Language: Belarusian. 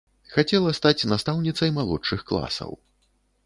Хацела стаць настаўніцай малодшых класаў.